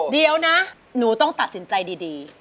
เดี๋ยวนะหนูต้องตัดสินใจดี